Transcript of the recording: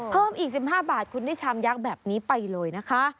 เพิ่มอีก๑๕บาทคุณได้ชามยักษ์แบบนี้ไปเลยนะคะ